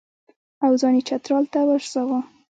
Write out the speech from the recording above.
او ځان یې چترال ته ورساوه.